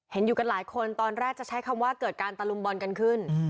เห็นอยู่กันหลายคนตอนแรกจะใช้คำว่าเกิดการตะลุมบอลกันขึ้น